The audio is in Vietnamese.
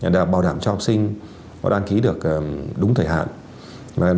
để bảo đảm cho học sinh có đăng ký được đúng thời hạn